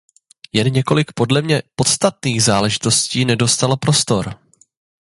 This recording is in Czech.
Jen několik podle mě podstatných záležitostí nedostalo prostor.